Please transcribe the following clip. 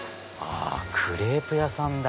クレープ屋さんだ。